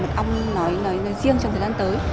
mật ong nói riêng trong thời gian tới